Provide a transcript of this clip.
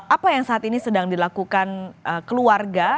apa yang saat ini sedang dilakukan keluarga